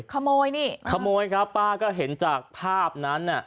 ขโมยนี่อ่าฮะฮะฮะครับป้าก็เห็นจากภาพนั้นน่ะ